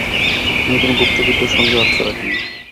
আমি কোন গুপ্তবিদ্যা-সঙ্ঘে আস্থা রাখি না।